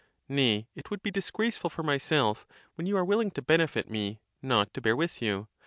Nay it would be! disgraceful for myself, when you are willing to benefit me, not to bear with you.